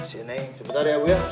sini sebentar ya bu ya